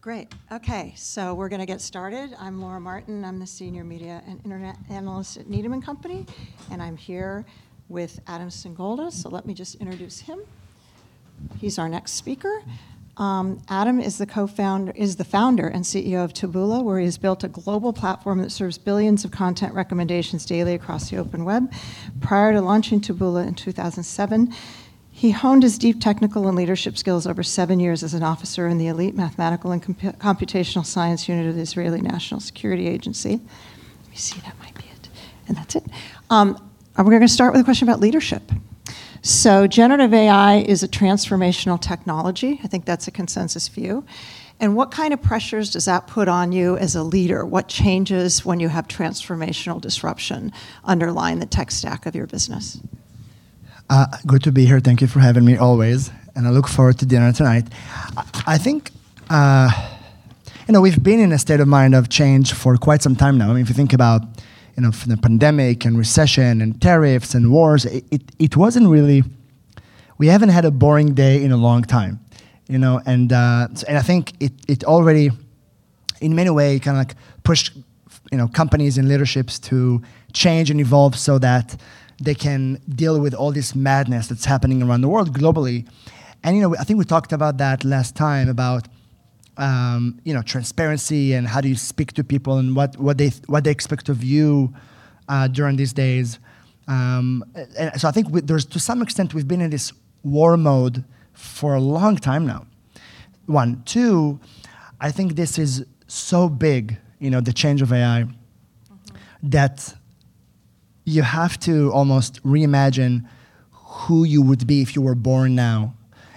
Great. Okay, we're gonna get started. I'm Laura Martin. I'm the Senior Media and Internet Analyst at Needham & Company, and I'm here with Adam Singolda. Let me just introduce him. He's our next speaker. Adam is the Founder & CEO of Taboola, where he has built a global platform that serves billions of content recommendations daily across the open web. Prior to launching Taboola in 2007, he honed his deep technical and leadership skills over seven years as an officer in the elite mathematical and computational science unit of the Israeli National Security Agency. Let me see. That might be it. And that's it. And we're gonna start with a question about leadership. Generative AI is a transformational technology. I think that's a consensus view. What kind of pressures does that put on you as a leader? What changes when you have transformational disruption underlying the tech stack of your business? Good to be here. Thank you for having me, always, and I look forward to dinner tonight. I think, you know, we've been in a state of mind of change for quite some time now. I mean, if you think about, you know, from the pandemic and recession and tariffs and wars, We haven't had a boring day in a long time, you know? I think it already in many way kind of pushed, you know, companies and leaderships to change and evolve so that they can deal with all this madness that's happening around the world globally. You know, I think we talked about that last time, about, you know, transparency and how do you speak to people and what they expect of you, during these days. We've been in this war mode for a long time now, one. Two, I think this is so big, you know, the change of AI. that you have to almost reimagine who you would be if you were born now,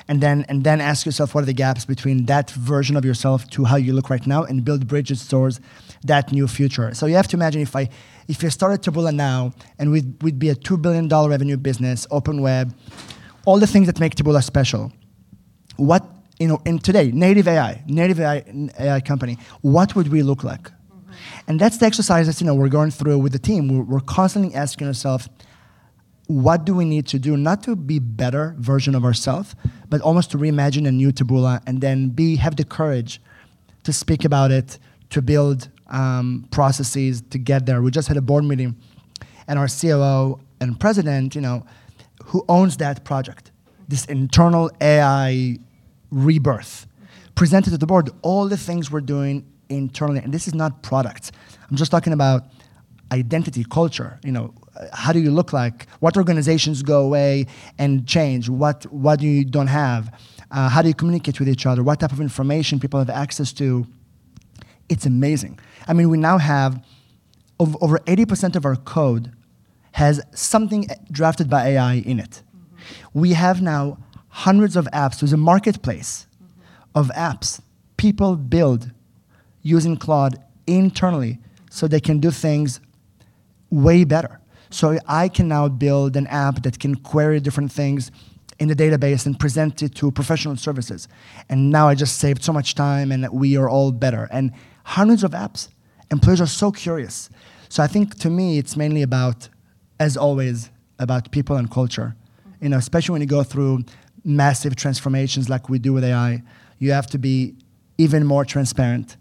and then ask yourself what are the gaps between that version of yourself to how you look right now and build bridges towards that new future. You have to imagine if you started Taboola now, and we'd be a $2 billion revenue business, open web, all the things that make Taboola special. What, you know, today, native AI company, what would we look like? That's the exercise that, you know, we're going through with the team. We're constantly asking ourself what do we need to do, not to be better version of ourself, but almost to reimagine a new Taboola and then b, have the courage to speak about it, to build processes to get there. We just had a board meeting, and our COO and President, you know, who owns that project, this internal AI rebirth. Presented to the board all the things we're doing internally. This is not product. I'm just talking about identity, culture. You know, how do you look like? What organizations go away and change? What you don't have? How do you communicate with each other? What type of information people have access to. It's amazing. I mean, we now have over 80% of our code has something drafted by AI in it. We have now hundreds of apps. There's a marketplace. of apps people build using Claude internally so they can do things way better. I can now build an app that can query different things in the database and present it to professional services, and now I just saved so much time, and we are all better. Hundreds of apps. Employees are so curious. I think to me, it's mainly about, as always, about people and culture. You know, especially when you go through massive transformations like we do with AI, you have to be even more transparent.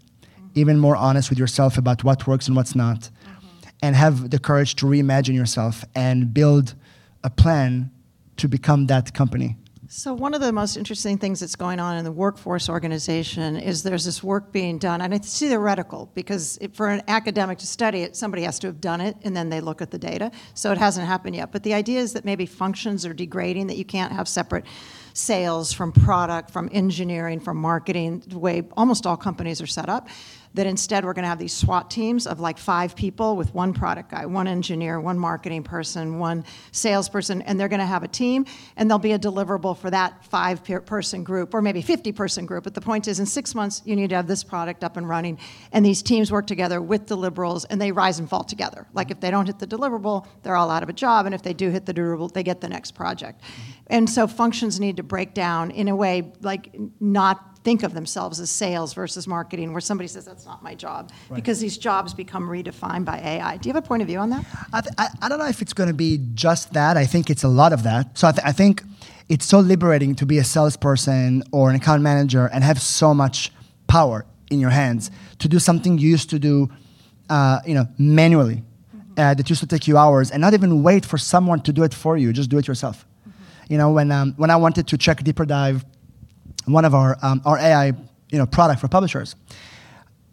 even more honest with yourself about what works and what's not. Have the courage to reimagine yourself and build a plan to become that company. One of the most interesting things that's going on in the workforce organization is there's this work being done, and it's theoretical, because it for an academic to study it, somebody has to have done it, and then they look at the data. It hasn't happened yet. The idea is that maybe functions are degrading, that you can't have separate sales from product, from engineering, from marketing the way almost all companies are set up, that instead we're gonna have these SWAT teams of like five people with one product guy, one engineer, one marketing person, one salesperson, and they're gonna have a team, and there'll be a deliverable for that five-person group or maybe 50-person group, but the point is in six months you need to have this product up and running. These teams work together with deliverables, and they rise and fall together. Like if they don't hit the deliverable, they're all out of a job, and if they do hit the deliverable, they get the next project. Functions need to break down in a way, like not think of themselves as sales versus marketing, where somebody says, "That's not my job. Right These jobs become redefined by AI. Do you have a point of view on that? I don't know if it's gonna be just that. I think it's a lot of that. I think it's so liberating to be a salesperson or an account manager and have so much power in your hands to do something you used to do, you know, manually. That used to take you hours and not even wait for someone to do it for you. Just do it yourself. You know, when I wanted to check DeeperDive, one of our AI, you know, product for publishers,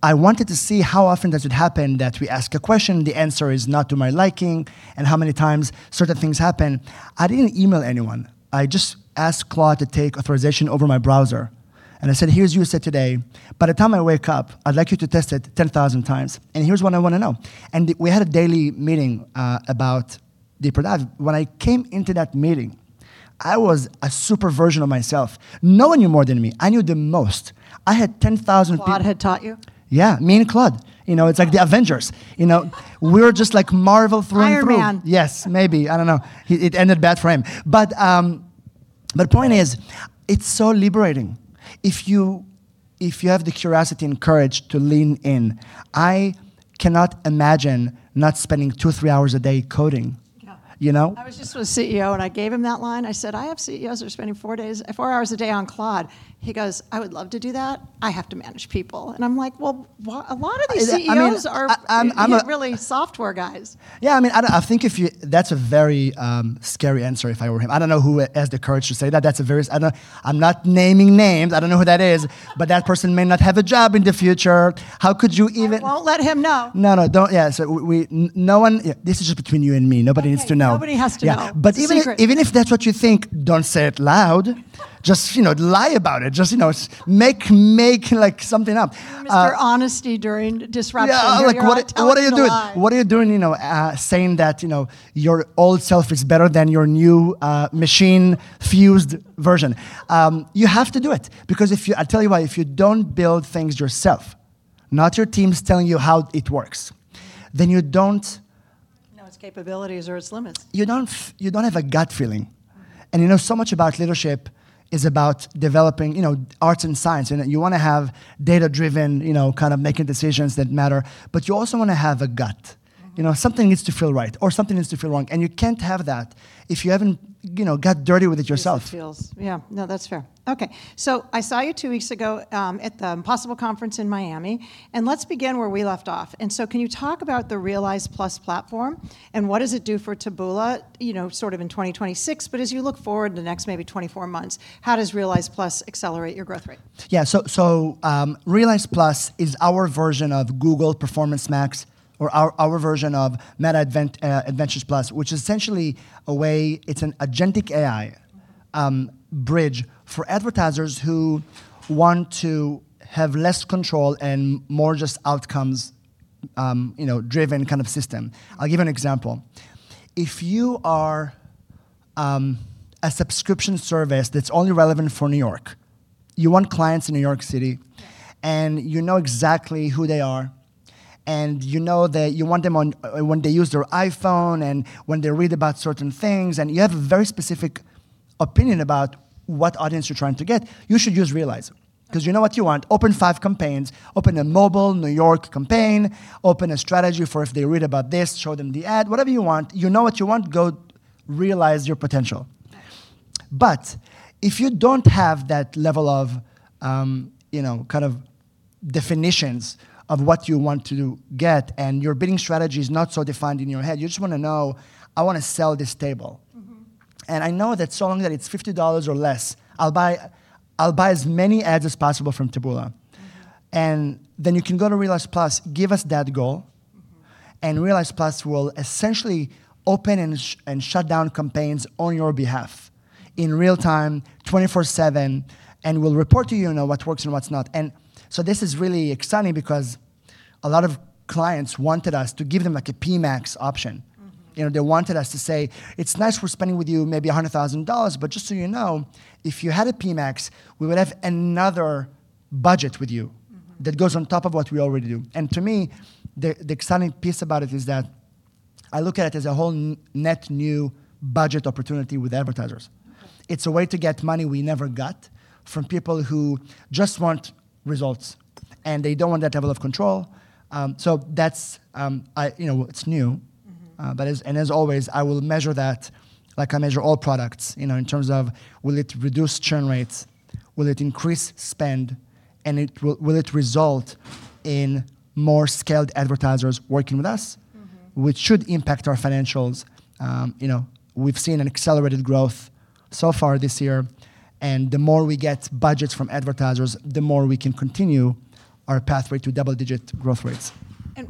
I wanted to see how often does it happen that we ask a question, the answer is not to my liking, and how many times certain things happen. I didn't email anyone. I just asked Claude to take authorization over my browser, I said, "Here's usage today. By the time I wake up, I'd like you to test it 10,000 times, and here's what I wanna know." We had a daily meeting about DeeperDive. When I came into that meeting, I was a super version of myself. No one knew more than me. I knew the most. I had 10,000 people- Claude had taught you? Yeah, me and Claude. You know, it's like the Avengers, you know? We were just like Marvel through and through. Iron Man. Yes. Maybe. I don't know. It ended bad for him. Yeah It's so liberating if you, if you have the curiosity and courage to lean in. I cannot imagine not spending two, three hours a day coding I was just with a CEO and I gave him that line. I said, "I have CEOs who are spending four hours a day on Claude." He goes, "I would love to do that. I have to manage people." I'm like, "Well, a lot of these CEOs- I mean, I'm. are really software guys. Yeah, I mean, That's a very scary answer if I were him. I don't know who would has the courage to say that. That's a very. I'm not naming names. I don't know who that is. That person may not have a job in the future. I won't let him know. No, no, don't Yeah, no one Yeah, this is just between you and me. Nobody needs to know. Okay, nobody has to know. Yeah. It's a secret. even if that's what you think, don't say it loud. Just, you know, lie about it. Just, you know, make, like, something up. Mr. Honesty during disruption. Yeah, like what are- You're out telling a lie. What are you doing? What are you doing, you know, saying that, you know, your old self is better than your new, machine-fused version? You have to do it because I'll tell you why. If you don't build things yourself, not your teams telling you how it works, then you don't. Know its capabilities or its limits. You don't have a gut feeling. Right. You know, so much about leadership is about developing, you know, arts and science. You know, you wanna have data-driven, you know, kind of making decisions that matter, but you also wanna have a gut. You know, something needs to feel right or something needs to feel wrong, and you can't have that if you haven't, you know, got dirty with it yourself. Yeah. No, that's fair. Okay, I saw you two weeks ago at the POSSIBLE Conference in Miami. Let's begin where we left off. Can you talk about the Realize+ platform and what does it do for Taboola, you know, sort of in 2026, but as you look forward in the next maybe 24 months, how does Realize+ accelerate your growth rate? Yeah, Realize+ is our version of Google Performance Max or our version of Meta Advantage+. It's an agentic AI. Wow bridge for advertisers who want to have less control and more just outcomes, you know, driven kind of system. I'll give an example. If you are a subscription service that's only relevant for New York, you want clients in New York City. Yeah and you know exactly who they are, and you know that you want them on, when they use their iPhone and when they read about certain things, and you have a very specific opinion about what audience you're trying to get, you should use Realize. 'Cause you know what you want. Open five campaigns. Open a mobile New York campaign. Open a strategy for if they read about this, show them the ad. Whatever you want. You know what you want, go realize your potential. Right. If you don't have that level of, you know, kind of definitions of what you want to get and your bidding strategy is not so defined in your head, you just wanna know, "I wanna sell this table. I know that so long that it's $50 or less, I'll buy as many ads as possible from Taboola. You can go to Realize+, give us that goal. Realize+ will essentially open and shut down campaigns on your behalf in real time, 24/7, and will report to you know, what works and what's not. This is really exciting because a lot of clients wanted us to give them, like, a PMax option. You know, they wanted us to say, "It's nice we're spending with you maybe $100,000, but just so you know, if you had a PMax, we would have another budget with you. that goes on top of what we already do." To me, the exciting piece about it is that I look at it as a whole net new budget opportunity with advertisers. Okay. It's a way to get money we never got from people who just want results, and they don't want that level of control. That's, you know, it's new. As always, I will measure that like I measure all products, you know, in terms of will it reduce churn rates, will it increase spend, and will it result in more scaled advertisers working with us. which should impact our financials. You know, we've seen an accelerated growth so far this year, and the more we get budgets from advertisers, the more we can continue our pathway to double-digit growth rates.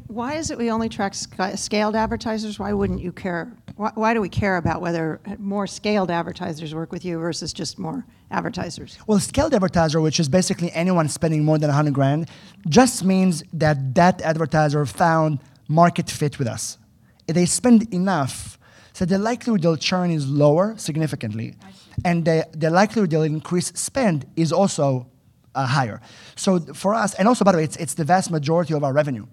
Why is it we only track scaled advertisers? Why wouldn't you care? Why do we care about whether more scaled advertisers work with you versus just more advertisers? Well, scaled advertiser, which is basically anyone spending more than $100,000, just means that that advertiser found market fit with us. They spend enough, so the likelihood they'll churn is lower significantly. I see. The likelihood they'll increase spend is also higher. For us And also by the way, it's the vast majority of our revenue.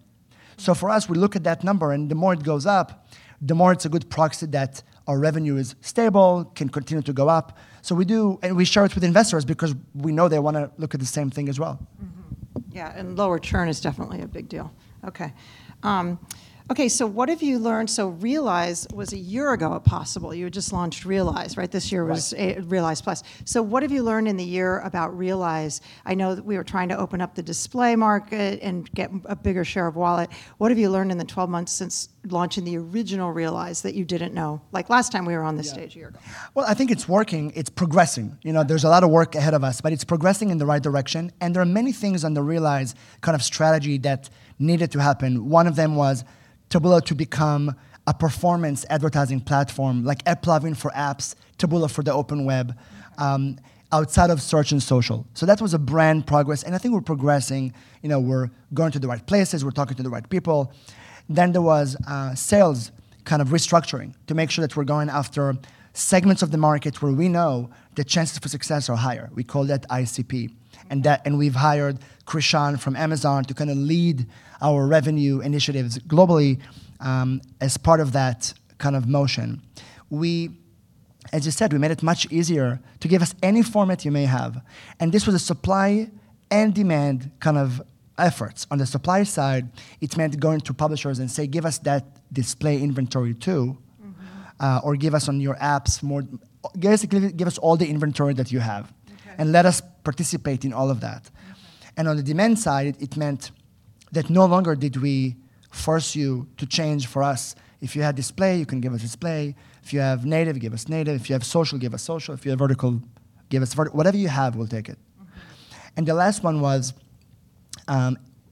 For us, we look at that number, and the more it goes up, the more it's a good proxy that our revenue is stable, can continue to go up. We do, and we share it with investors because we know they wanna look at the same thing as well. Mm-hmm. Yeah, and lower churn is definitely a big deal. Okay. Okay, what have you learned? Realize was a year ago at Possible. You had just launched Realize, right? This year was- Right Realize+. What have you learned in the year about Realize? I know that we were trying to open up the display market and get a bigger share of wallet. What have you learned in the 12 months since launching the original Realize that you didn't know, like last time we were on this stage one year ago? Yeah. Well, I think it's working. It's progressing. You know, there's a lot of work ahead of us, but it's progressing in the right direction, and there are many things on the Realize kind of strategy that needed to happen. One of them was Taboola to become a performance advertising platform, like AppLovin for apps, Taboola for the open web. outside of search and social. That was a brand progress, and I think we're progressing. You know, we're going to the right places. We're talking to the right people. There was sales kind of restructuring to make sure that we're going after segments of the market where we know the chances for success are higher. We call that ICP. We've hired Krishan from Amazon to kind of lead our revenue initiatives globally, as part of that kind of motion. As you said, we made it much easier to give us any format you may have, and this was a supply and demand kind of effort. On the supply side, it meant going to publishers and saying, "Give us that display inventory too. Give us on your apps more." Basically, "Give us all the inventory that you have. Okay. Let us participate in all of that. Okay. On the demand side, it meant that no longer did we force you to change for us. If you had display, you can give us display. If you have native, give us native. If you have social, give us social. If you have vertical, give us vert. Whatever you have, we'll take it. Okay. The last one was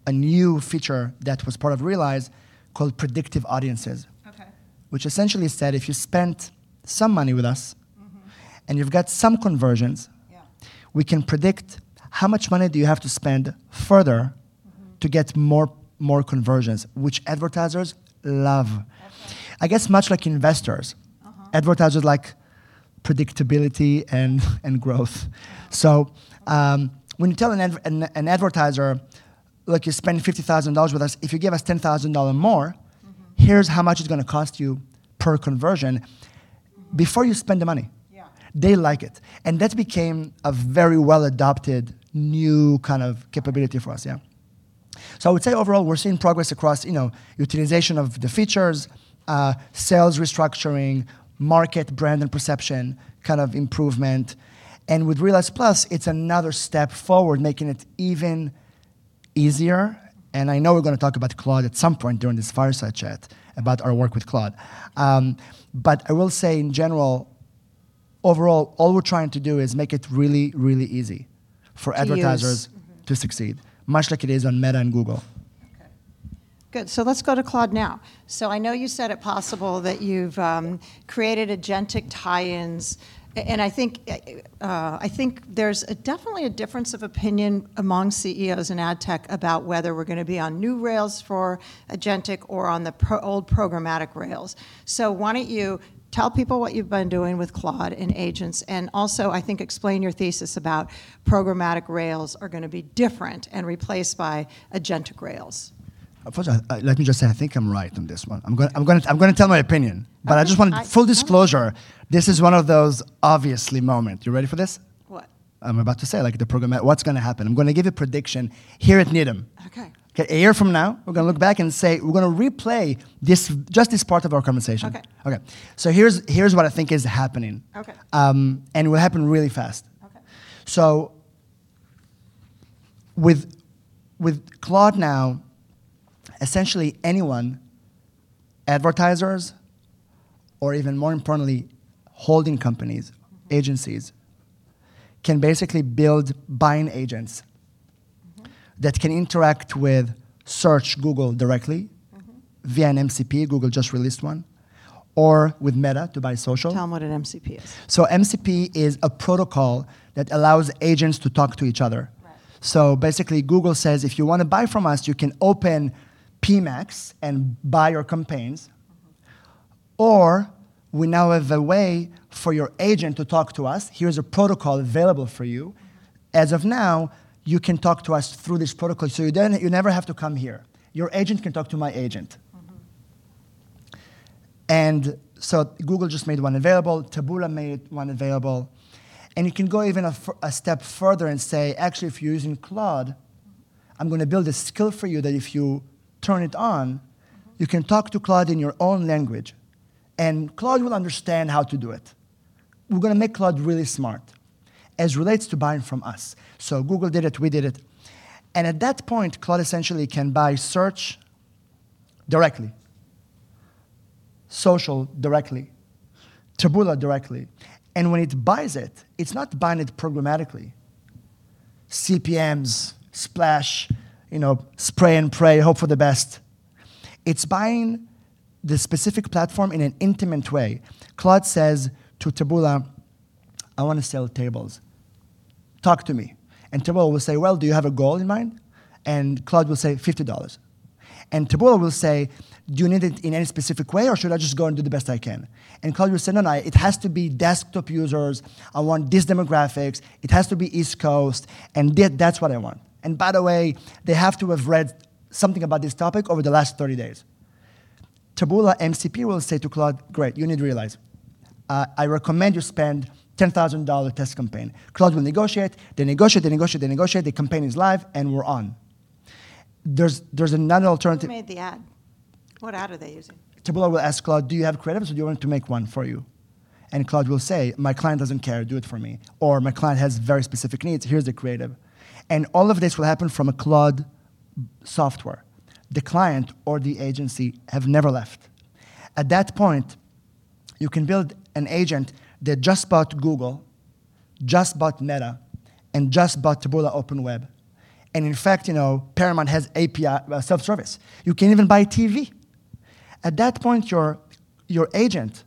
a new feature that was part of Realize called Predictive Audiences. Okay. Which essentially said, if you spent some money with us. You've got some conversions. Yeah we can predict how much money do you have to spend further. to get more conversions, which advertisers love. Okay. I guess much like investors. advertisers like predictability and growth. Yeah. When you tell an advertiser like, "You're spending $50,000 with us. If you give us $10,000 more. Here's how much it's gonna cost you per conversion. before you spend the money. Yeah. They like it, that became a very well-adopted new kind of capability for us, yeah. I would say overall, we're seeing progress across, you know, utilization of the features, sales restructuring, market brand and perception kind of improvement, and with Realize+, it's another step forward, making it even easier. I know we're gonna talk about Claude at some point during this Fireside Chat about our work with Claude. I will say in general, overall, all we're trying to do is make it really easy for advertisers To use. Mm-hmm. to succeed, much like it is on Meta and Google. Okay. Good. Let's go to Claude now. I know you said at POSSIBLE that you've created agentic tie-ins, and I think there's a definitely a difference of opinion among CEOs in ad tech about whether we're gonna be on new rails for agentic or on the old programmatic rails. Why don't you tell people what you've been doing with Claude and agents, and also I think explain your thesis about programmatic rails are gonna be different and replaced by agentic rails. First, let me just say I think I'm right on this one. I'm gonna tell my opinion. Okay. I just want full disclosure. This is one of those obviously moments. You ready for this? What? I'm about to say, like what's gonna happen. I'm gonna give a prediction here at Needham. Okay. Okay, a year from now we're gonna look back and say We're gonna replay this, just this part of our conversation. Okay. Okay. Here's what I think is happening. Okay. It will happen really fast. Okay. With Claude now, essentially anyone, advertisers or even more importantly, holding companies. agencies can basically build buying agents. that can interact with search Google directly. via an MCP, Google just released one, or with Meta to buy social. Tell them what an MCP is. MCP is a protocol that allows agents to talk to each other. Right. Basically Google says, "If you wanna buy from us, you can open PMax and buy your campaigns. We now have a way for your agent to talk to us. Here's a protocol available for you. As of now, you can talk to us through this protocol so you don't, you never have to come here. Your agent can talk to my agent. Google just made one available. Taboola made one available, and you can go even a step further and say, "Actually, if you're using Claude, I'm gonna build a skill for you that if you turn it on. you can talk to Claude in your own language, and Claude will understand how to do it." We're gonna make Claude really smart as relates to buying from us. Google did it. We did it. At that point, Claude essentially can buy Search directly, Social directly, Taboola directly, and when it buys it's not buying it programmatically. CPMs, splash, you know, spray and pray, hope for the best. It's buying the specific platform in an intimate way. Claude says to Taboola, "I wanna sell tables. Talk to me." Taboola will say, "Well, do you have a goal in mind?" Claude will say, "$50." Taboola will say, "Do you need it in any specific way, or should I just go and do the best I can?" Claude will say, "No, no, it has to be desktop users. I want these demographics. It has to be East Coast, that's what I want. By the way, they have to have read something about this topic over the last 30 days." Taboola MCP will say to Claude, "Great, you need Realize. I recommend you spend $10,000 test campaign." Claude will negotiate. They negotiate, they negotiate, they negotiate. The campaign is live, we're on. There's another alternative. Who made the ad? What ad are they using? Taboola will ask Claude, "Do you have creative, or do you want to make one for you?" Claude will say, "My client doesn't care. Do it for me," or, "My client has very specific needs. Here's the creative." All of this will happen from a Claude software. The client or the agency have never left. At that point, you can build an agent that just bought Google, just bought Meta, and just bought Taboola open web, and in fact, you know, Paramount has API self-service. You can even buy TV. At that point, your agent,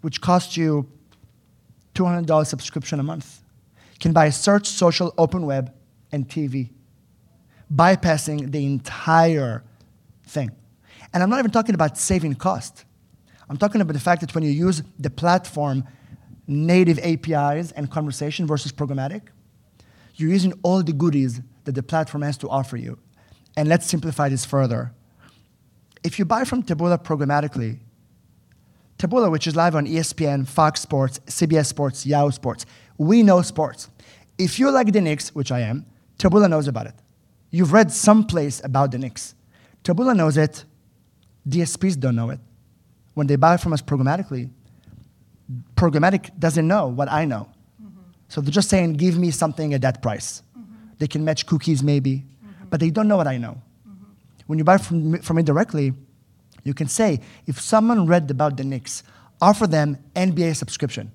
which costs you $200 subscription a month, can buy search, social, open web, and TV, bypassing the entire thing. I'm not even talking about saving cost. I'm talking about the fact that when you use the platform native APIs and conversation versus programmatic, you're using all the goodies that the platform has to offer you. Let's simplify this further. If you buy from Taboola programmatically, Taboola, which is live on ESPN, Fox Sports, CBS Sports, Yahoo Sports, we know sports. If you like the Knicks, which I am, Taboola knows about it. You've read someplace about the Knicks. Taboola knows it. DSPs don't know it. When they buy from us programmatically, programmatic doesn't know what I know. They're just saying, "Give me something at that price. They can match cookies maybe. They don't know what I know. When you buy from me directly, you can say, "If someone read about the Knicks, offer them NBA subscription.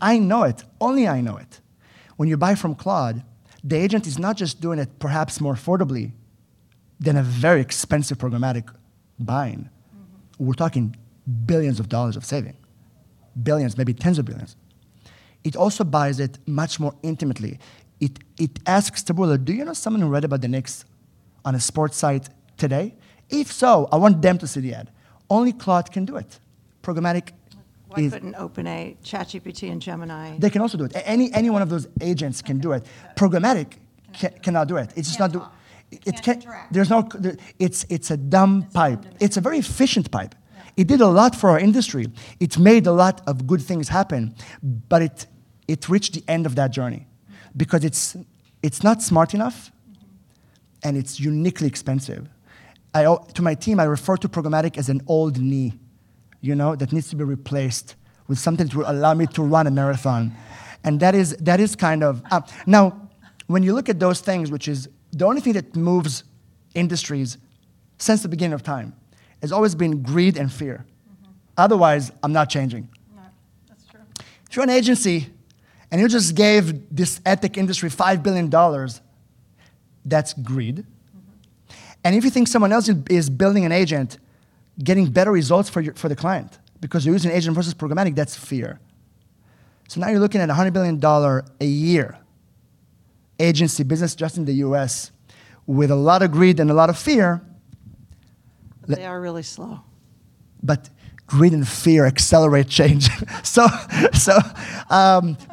I know it. Only I know it. When you buy from Claude, the agent is not just doing it perhaps more affordably than a very expensive programmatic buying. We're talking billions of dollars of saving. Billions, maybe tens of billions. It also buys it much more intimately. It asks Taboola, "Do you know someone who read about the Knicks on a sports site today? If so, I want them to see the ad." Only Claude can do it. Programmatic is- Why couldn't OpenAI, ChatGPT, and Gemini? They can also do it. Any one of those agents can do it. Okay. Programmatic cannot do it. Can't talk. It ca- Can't interact. There's no there It's a dumb pipe. It's a dumb pipe. It's a very efficient pipe. Yeah. It did a lot for our industry. It's made a lot of good things happen. It reached the end of that journey because it's not smart enough. It's uniquely expensive. To my team, I refer to programmatic as an old knee, you know, that needs to be replaced with something to allow me to run a marathon, and that is kind of. Now, when you look at those things, which is the only thing that moves industries since the beginning of time, has always been greed and fear. Otherwise, I'm not changing. Yeah. That's true. If you're an agency, and you just gave this ad tech industry $5 billion, that's greed. If you think someone else is building an agent getting better results for the client because you're using agent versus programmatic, that's fear. Now you're looking at $100 billion a year agency business just in the U.S. with a lot of greed and a lot of fear. They are really slow. Greed and fear accelerate change.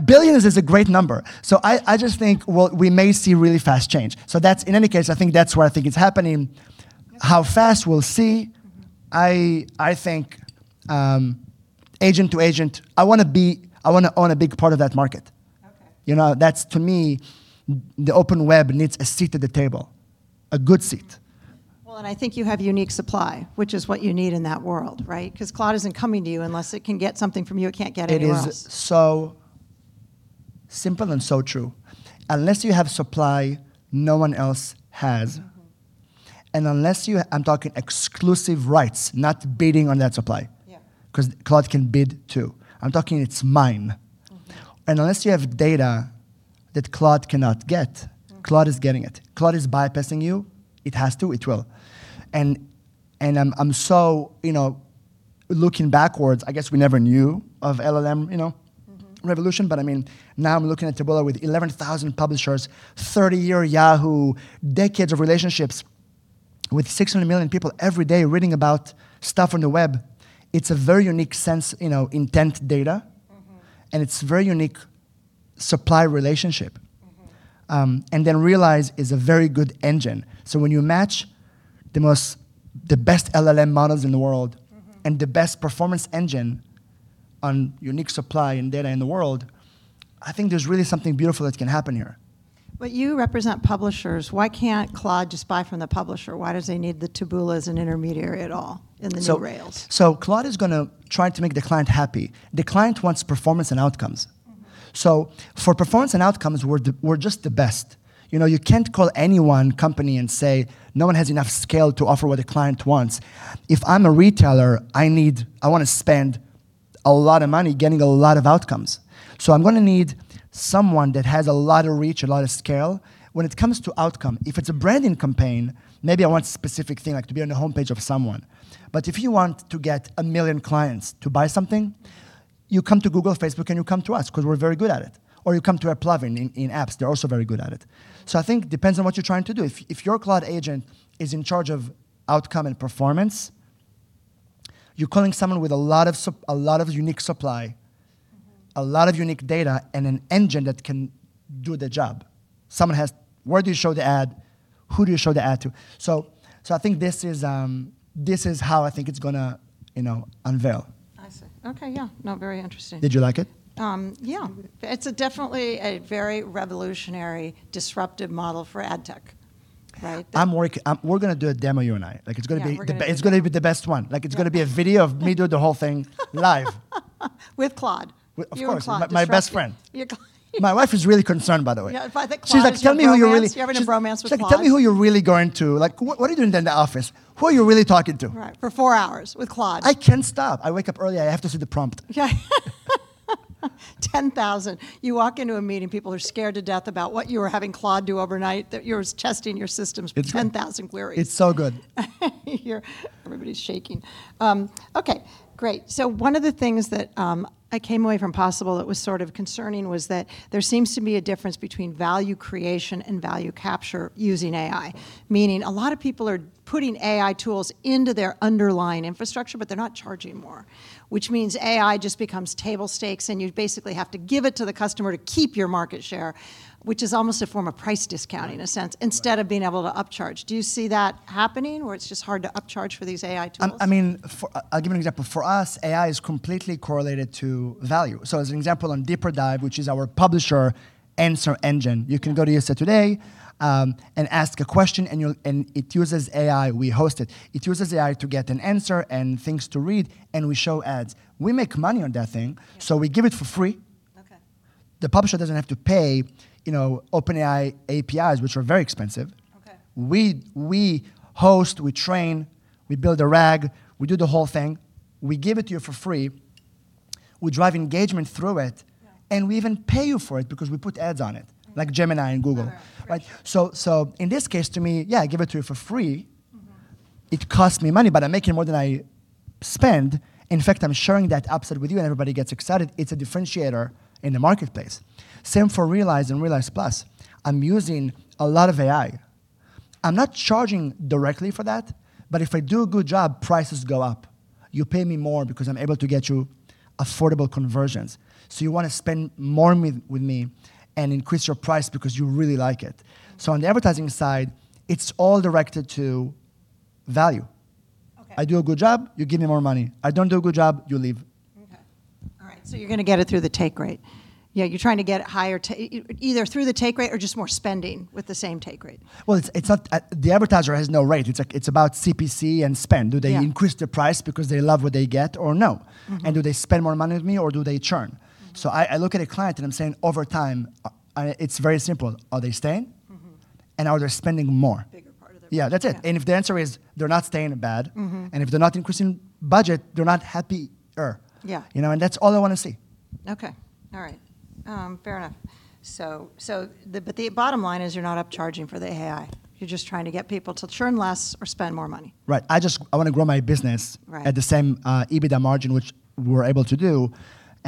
Billions is a great number, so I just think we may see really fast change. That's, in any case, I think that's where I think it's happening. Yeah. How fast, we'll see. I think, agent to agent, I wanna own a big part of that market. Okay. You know. That's, to me, the open web needs a seat at the table. A good seat. Well, I think you have unique supply, which is what you need in that world, right? 'Cause Claude isn't coming to you unless it can get something from you it can't get anywhere else. It is so simple and so true. Unless you have supply no one else has. Unless you I'm talking exclusive rights, not bidding on that supply. Yeah. Claude can bid, too. I'm talking it's mine. Unless you have data that Claude cannot get. Okay Claude is getting it. Claude is bypassing you. It has to. It will. I'm so, you know, looking backwards, I guess we never knew of LLM, you know. revolution. I mean, now I'm looking at Taboola with 11,000 publishers, 30-year Yahoo, decades of relationships with 600 million people every day reading about stuff on the web. It's a very unique sense, you know, intent data. It's very unique supply relationship. Realize is a very good engine. The best performance engine on unique supply and data in the world, I think there's really something beautiful that can happen here. You represent publishers. Why can't Claude just buy from the publisher? Why does he need the Taboola as an intermediary at all in the new rails? Claude is going to try to make the client happy. The client wants performance and outcomes. For performance and outcomes, we're just the best. You know, you can't call any one company and say, "No one has enough scale to offer what a client wants." If I'm a retailer, I want to spend a lot of money getting a lot of outcomes, so I'm gonna need someone that has a lot of reach, a lot of scale. When it comes to outcome, if it's a branding campaign, maybe I want a specific thing, like to be on the homepage of someone. If you want to get a million clients to buy something, you come to Google, Facebook, and you come to us, 'cause we're very good at it. You come to I mean, I'll give you an example. For us, AI is completely correlated to value. As an example on Deeper Dive, which is our publisher answer engine, you can go to USA Today and ask a question and it uses AI. We host it. It uses AI to get an answer and things to read, and we show ads. We make money on that thing. Yeah. We give it for free. The publisher doesn't have to pay, you know, OpenAI APIs, which are very expensive. Okay. We host, we train, we build a RAG, we do the whole thing. We give it to you for free, we drive engagement through it. Yeah We even pay you for it because we put ads on it. Right like Gemini and Google. Oh, right. Right. In this case to me, yeah, I give it to you for free. It costs me money, but I'm making more than I spend. In fact, I'm sharing that upside with you, and everybody gets excited. It's a differentiator in the marketplace. Same for Realize and Realize+. I'm using a lot of AI. I'm not charging directly for that, but if I do a good job, prices go up. You pay me more because I'm able to get you affordable conversions. You wanna spend more with me and increase your price because you really like it. On the advertising side, it's all directed to value. Okay. I do a good job, you give me more money. I don't do a good job, you leave. Okay. All right, you're gonna get it through the take rate. Yeah, you're trying to get higher either through the take rate or just more spending with the same take rate. Well, it's not, the advertiser has no rate. It's, like, it's about CPC and spend. Yeah. Do they increase the price because they love what they get or no? Do they spend more money with me or do they churn? I look at a client and I'm saying over time, it's very simple: Are they staying? Are they spending more? Bigger part of their- Yeah, that's it. Yeah. If the answer is they're not staying, bad. If they're not increasing budget, they're not happier. Yeah. You know? That's all I wanna see. Okay. All right. Fair enough. The bottom line is you're not up-charging for the AI. You're just trying to get people to churn less or spend more money. Right. I just, I wanna grow my business- Right at the same, EBITDA margin which we're able to do,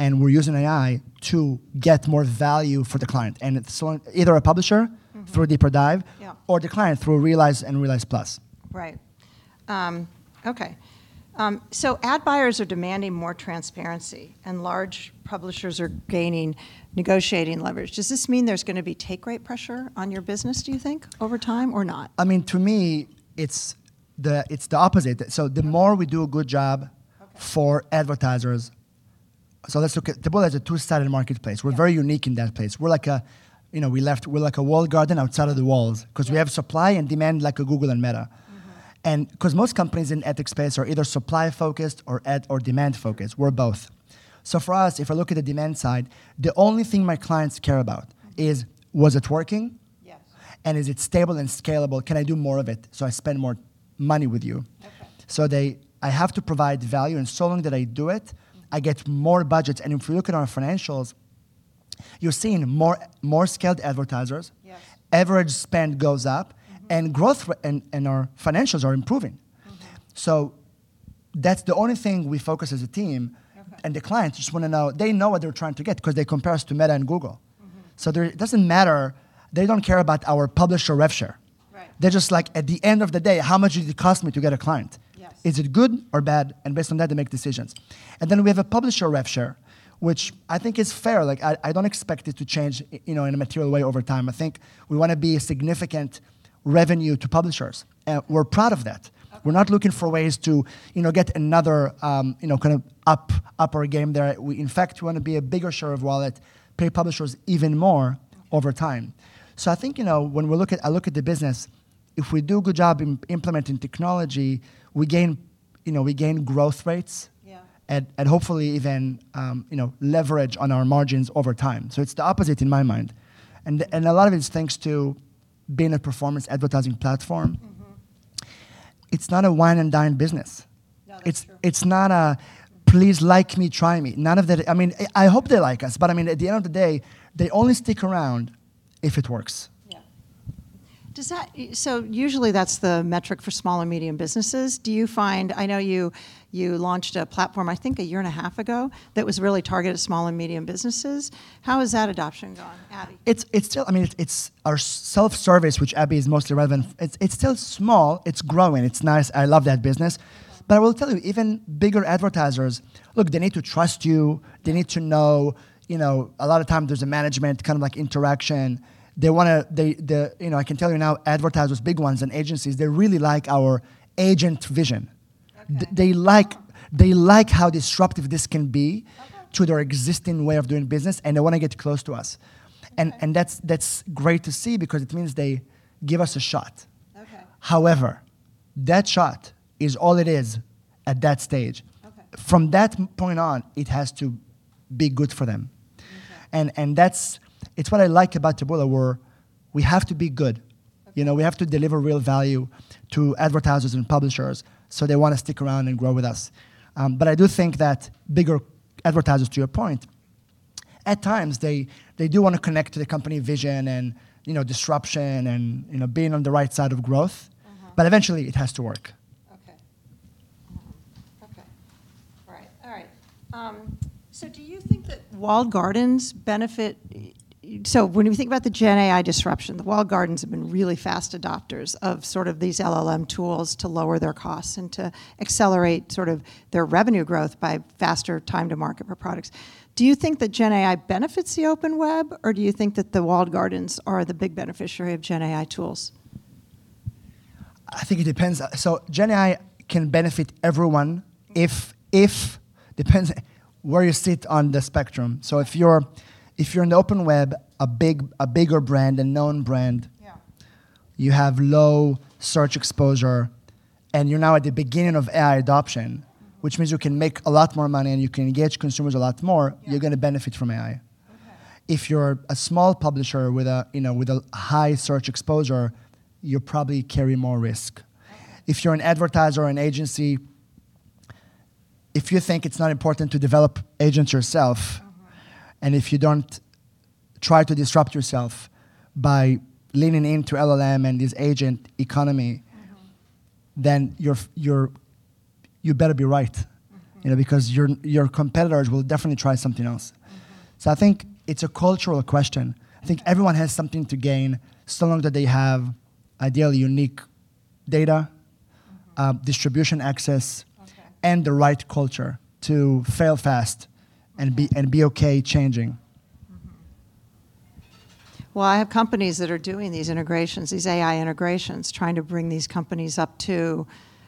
and we're using AI to get more value for the client. through DeeperDive Yeah or the client through Realize and Realize+. Right. Okay. Ad buyers are demanding more transparency, large publishers are gaining negotiating leverage. Does this mean there's gonna be take rate pressure on your business do you think over time, or not? I mean, to me it's the opposite. Okay more we do a good job. Okay for advertisers Taboola is a two-sided marketplace. Yeah. We're very unique in that place. We're like, you know, we're like a walled garden outside of the walls. Yeah 'cause we have supply and demand like a Google and Meta. 'Cause most companies in ad tech space are either supply focused or demand focused. Okay. We're both. For us, if I look at the demand side, the only thing my clients care about is was it working. Yes Is it stable and scalable? Can I do more of it so I spend more money with you? Okay. I have to provide value, and so long that I do it. I get more budget. If you look at our financials, you're seeing more scaled advertisers. Yes. Average spend goes up growth and our financials are improving. Okay. That's the only thing we focus as a team. Okay. The clients just wanna know, they know what they're trying to get 'cause they compare us to Meta and Google. It doesn't matter. They don't care about our publisher rev share. Right. They're just like, "At the end of the day, how much does it cost me to get a client? Yes. Is it good or bad? Based on that, they make decisions. We have a publisher rev share which I think is fair. Like, I don't expect it to change, you know, in a material way over time. I think we wanna be a significant revenue to publishers. We're proud of that. Okay. We're not looking for ways to, you know, get another, you know, kind of up our game there. We, in fact, wanna be a bigger share of wallet, pay publishers even more. Okay over time. I think, you know, when I look at the business, if we do a good job implementing technology, we gain growth rates. Yeah Hopefully even, you know, leverage on our margins over time. It's the opposite in my mind, and a lot of it's thanks to being a performance advertising platform. It's not a wine and dine business. No, that's true. It's not a please like me, try me, none of that. I mean, I hope they like us, but I mean, at the end of the day, they only stick around if it works. Yeah. Usually that's the metric for small and medium businesses. Do you find I know you launched a platform I think a year and a half ago that was really targeted to small and medium businesses. How has that adoption gone, Abby? It's still, I mean, it's our self-service, which Abby is mostly relevant. It's still small. It's growing. It's nice. I love that business. I will tell you, even bigger advertisers, look, they need to trust you. They need to know, you know, a lot of time there's a management kind of like interaction. You know, I can tell you now advertisers, big ones and agencies, they really like our AI vision. Okay. They like- Oh they like how disruptive this can be. Okay to their existing way of doing business, and they wanna get close to us. Okay. That's great to see because it means they give us a shot. Okay. However, that shot is all it is at that stage. Okay. From that point on, it has to be good for them. Okay. That's, it's what I like about Taboola where we have to be good. Okay. You know, we have to deliver real value to advertisers and publishers, they wanna stick around and grow with us. I do think that bigger advertisers, to your point, at times they do wanna connect to the company vision and, you know, disruption and, you know, being on the right side of growth. Eventually it has to work. Do you think that walled gardens benefit when we think about the gen AI disruption? The walled gardens have been really fast adopters of sort of these LLM tools to lower their costs and to accelerate sort of their revenue growth by faster time to market for products. Do you think that gen AI benefits the open web, or do you think the walled gardens are the big beneficiary of gen AI tools? I think it depends. gen AI can benefit everyone if depends where you sit on the spectrum. If you're an open web, a bigger brand, a known brand. You have low search exposure, and you're now at the beginning of AI adoption. Which means you can make a lot more money and you can engage consumers a lot more. Yeah. You're gonna benefit from AI. Okay. If you're a small publisher with a, you know, with a high search exposure, you probably carry more risk. Okay. If you're an advertiser or an agency, if you think it's not important to develop agents yourself. If you don't try to disrupt yourself by leaning into LLM and this agent economy. I know. You're, you better be right. You know, because your competitors will definitely try something else. I think it's a cultural question. I think everyone has something to gain, so long that they have ideally unique data- distribution access Okay The right culture to fail fast and be okay changing. Well, I have companies that are doing these integrations, these AI integrations, trying to bring these companies up to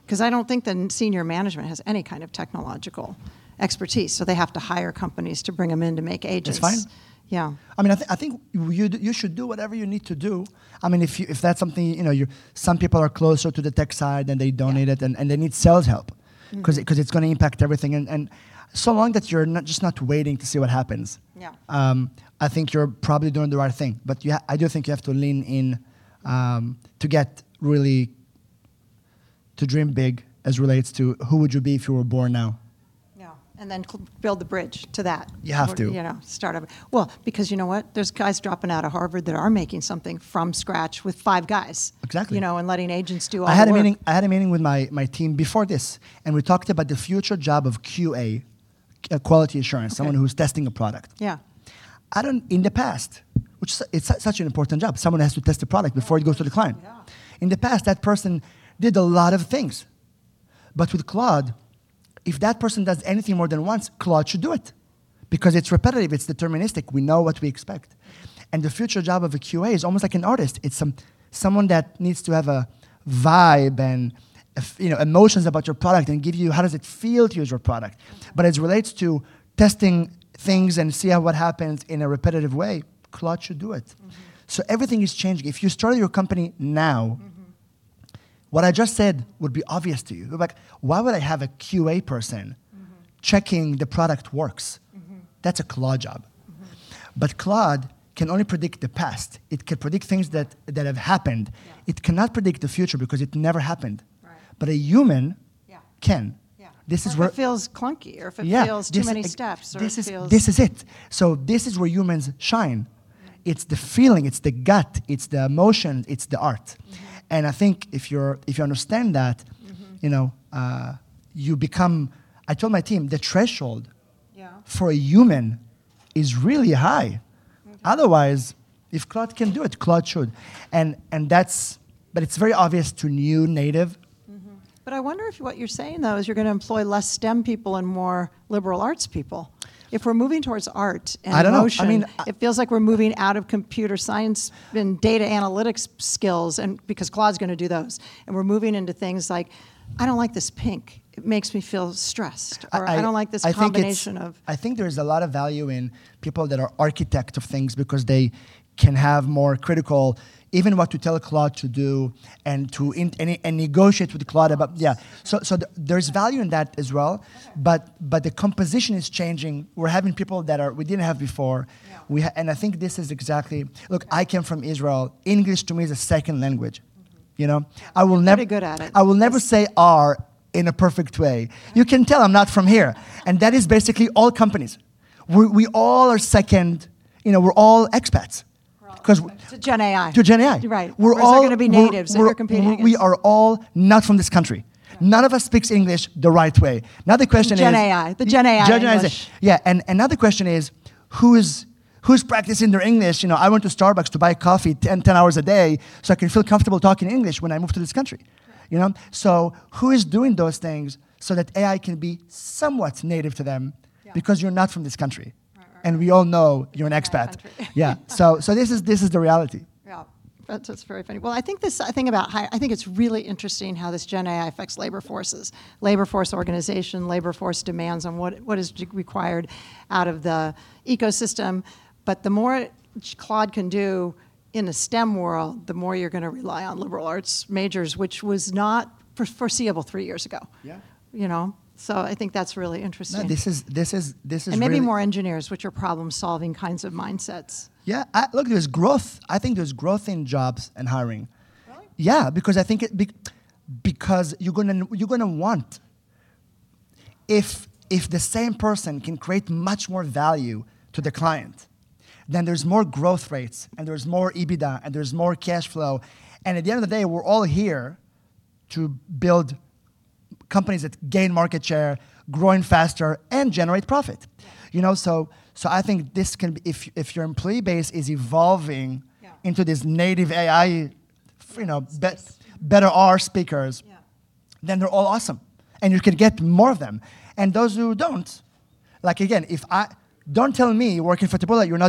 'Cause I don't think the senior management has any kind of technological expertise, so they have to hire companies to bring them in to make agents. That's fine. Yeah. I mean, I think you should do whatever you need to do. I mean, if you, if that's something, you know, you. Some people are closer to the tech side and they don't need it. Yeah They need sales help. 'cause it's gonna impact everything and so long that you're not waiting to see what happens. Yeah I think you're probably doing the right thing. Yeah, I do think you have to lean in to get really to dream big as relates to who would you be if you were born now. Yeah, build the bridge to that. You have to. You know, start over. Because you know what? There's guys dropping out of Harvard that are making something from scratch with five guys. Exactly. You know, and letting agents do all the work. I had a meeting with my team before this, and we talked about the future job of QA, quality assurance. Okay someone who's testing a product. Yeah. In the past, which it's such an important job. Someone has to test a product before it goes to the client. Yeah. In the past, that person did a lot of things. With Claude, if that person does anything more than once, Claude should do it because it's repetitive, it's deterministic. We know what we expect. The future job of a QA is almost like an artist. It's someone that needs to have a vibe and you know, emotions about your product and give you how does it feel to use your product. As relates to testing things and see how, what happens in a repetitive way, Claude should do it. Everything is changing. If you start your company now- what I just said would be obvious to you. You're like, "Why would I have a QA person. checking the product works? That's a Claude job. Claude can only predict the past. It can predict things that have happened. Yeah. It cannot predict the future because it never happened. Right. a human- Yeah can. Yeah. This is where- if it feels clunky. Yeah feels too many steps or it. This is it. This is where humans shine. Yeah. It's the feeling, it's the gut, it's the emotion, it's the art. I think if you understand that. you know, I told my team the threshold. Yeah for a human is really high. Otherwise, if Claude can do it, Claude should. It's very obvious to new native. Mm-hmm. I wonder if what you're saying, though, is you're gonna employ less STEM people and more liberal arts people? If we're moving towards art and emotion. I don't know. It feels like we're moving out of computer science and data analytics skills and because Claude's gonna do those, and we're moving into things like, "I don't like this pink. It makes me feel stressed. I think. I don't like this combination of I think there's a lot of value in people that are architect of things because they can have more critical. Even what to tell Claude to do and to negotiate with Claude about, yeah. There's value in that as well. Okay. The composition is changing. We're having people we didn't have before. Yeah. I think this is exactly Look, I came from Israel. English to me is a second language. You know? I will never. You're pretty good at it. I will never say R in a perfect way. Yeah. You can tell I'm not from here. That is basically all companies. We all are second, you know, we're all expats. We're all expats. 'Cause we- To gen AI. To gen AI. You're right. We're all. is it gonna be natives that are competing against. We are all not from this country. Yeah. None of us speaks English the right way. The gen AI, the gen AI English. Yeah. Another question is who's practicing their English? You know, I went to Starbucks to buy coffee 10 hours a day so I can feel comfortable talking English when I move to this country. Right. You know? Who is doing those things so that AI can be somewhat native to them? Yeah Because you're not from this country. Right, right. We all know you're an expat. I'm not that. Yeah. This is the reality. Yeah. That's what's very funny. I think about how, I think it's really interesting how this gen AI affects labor forces, labor force organization, labor force demands on what is required out of the ecosystem. The more Claude can do in the STEM world, the more you're gonna rely on liberal arts majors, which was not foreseeable three years ago. Yeah. You know. I think that's really interesting. No, this is. Maybe more engineers, which are problem-solving kinds of mindsets. Yeah. Look, there's growth. I think there's growth in jobs and hiring. Really? Yeah. I think because you're gonna want, if the same person can create much more value to the client, there's more growth rates and there's more EBITDA and there's more cash flow. At the end of the day, we're all here to build companies that gain market share, growing faster, and generate profit. Yeah. You know? I think this can be If your employee base is evolving- Yeah into this native AI, you know, better R speakers. Yeah They're all awesome, and you could get more of them. Those who don't, like again, if I... Don't tell me working for Taboola you're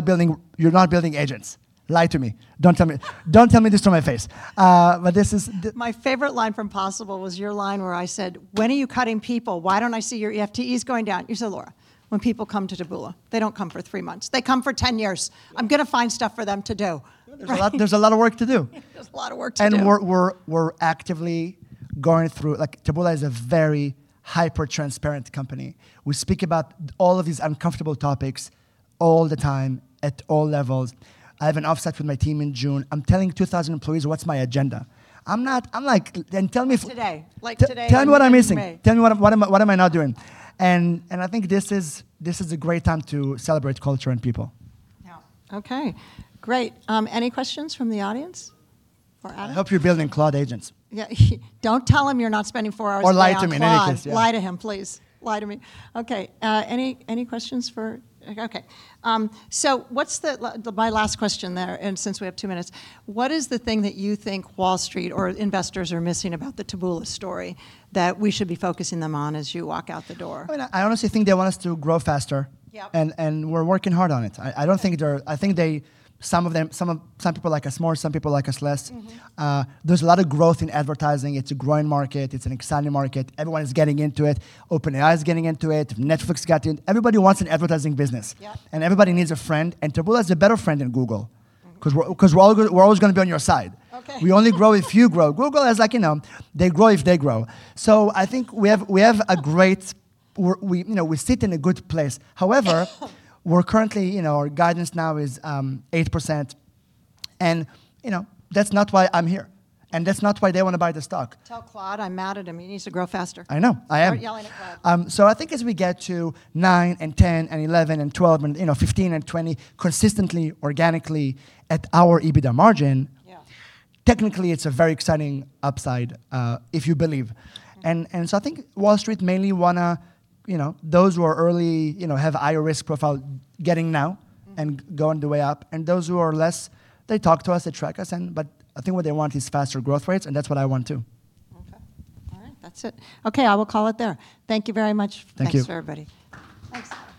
not building, agents. Lie to me. Don't tell me this to my face. My favorite line from POSSIBLE was your line where I said, "When are you cutting people? Why don't I see your FTEs going down?" You said, "Laura, when people come to Taboola, they don't come for three months. They come for 10 years. Yeah. I'm gonna find stuff for them to do. There's a lot of work to do. There's a lot of work to do. Taboola is a very hyper-transparent company. We speak about all of these uncomfortable topics all the time at all levels. I have an offsite with my team in June. I am telling 2,000 employees what is my agenda. Today. Tell me what I'm missing? when you leave in May. Tell me what am I not doing? I think this is a great time to celebrate culture and people. Yeah. Okay. Great. Any questions from the audience for Adam? I hope you're building Claude agents. Yeah. Don't tell him you're not spending four hours a day on Claude. Lie to me in any case. Yeah. Lie to him, please. Lie to me. Okay. Any questions for Okay. My last question there, since we have two minutes, what is the thing that you think Wall Street or investors are missing about the Taboola story that we should be focusing them on as you walk out the door? I mean, I honestly think they want us to grow faster. Yeah. We're working hard on it. Some people like us more, some people like us less. There's a lot of growth in advertising. It's a growing market. It's an exciting market. Everyone is getting into it. OpenAI is getting into it. Netflix got in. Everybody wants an advertising business. Yeah. everybody needs a friend, and Taboola is a better friend than Google. Cause we're always gonna be on your side. Okay. We only grow if you grow. Google is like, you know, they grow if they grow. I think we have, you know, we sit in a good place. However, we're currently, you know, our guidance now is 8%. You know, that's not why I'm here, and that's not why they want to buy the stock. Tell Claude I'm mad at him. He needs to grow faster. I know. I am. We're yelling at Claude. I think as we get to 9% and 10% and 11% and 12% and, you know, 15% and 20% consistently organically at our EBITDA margin. Yeah technically it's a very exciting upside, if you believe. I think Wall Street mainly wanna, you know, those who are early, you know, have higher risk profile getting now. Going the way up, and those who are less, they talk to us, they track us. I think what they want is faster growth rates, and that's what I want too. Okay. All right. That's it. Okay, I will call it there. Thank you very much. Thank you. Thanks, everybody. Thanks. That was great. You're the best. You're the best.